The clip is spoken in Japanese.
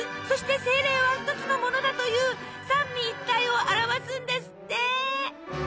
そして精霊は一つのものだという三位一体を表すんですって。